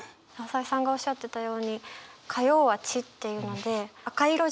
朝井さんがおっしゃってたように火曜は「血」っていうので赤色じゃないですか血って。